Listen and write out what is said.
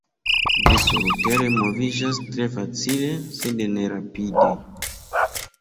Ĝi surtere moviĝas tre facile, sed ne rapide.